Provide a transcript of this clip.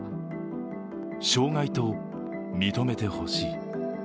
障害と認めてほしい。